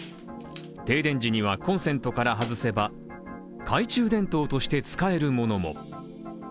停電時にはコンセントから外せば懐中電灯として使えるものも。